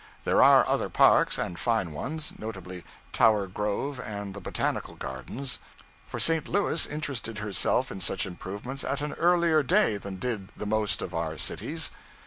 There are other parks, and fine ones, notably Tower Grove and the Botanical Gardens; for St. Louis interested herself in such improvements at an earlier day than did the most of our cities.